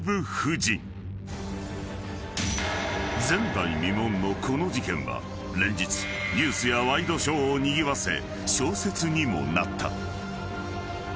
［前代未聞のこの事件は連日ニュースやワイドショーをにぎわせ小説にもなった］